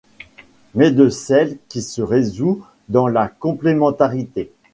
Mais de celle qui se résout dans la complémentarité.